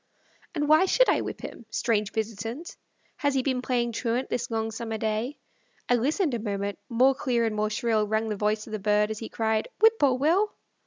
And why should I whip him? Strange visitant, Has he been playing truant this long summer day? I listened a moment; more clear and more shrill Rang the voice of the bird, as he cried, "Whip poor Will."